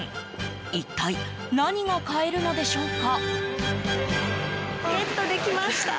一体、何が買えるのでしょうか。